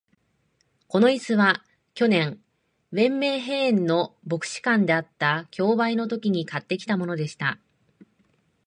この椅子は、去年、ヴェンメンヘーイの牧師館であった競売のときに買ってきたものでした。